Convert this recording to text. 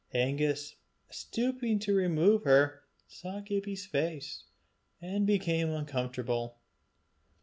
Angus, stooping to remove her, saw Gibbie's face, and became uncomfortable.